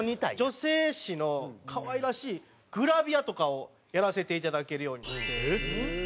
女性誌の可愛らしいグラビアとかをやらせていただけるようになりまして。